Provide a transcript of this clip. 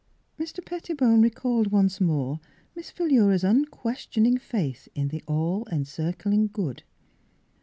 Mr. Pettibone recalled once more Miss Philura's unquestioning faith in the All encircling Good.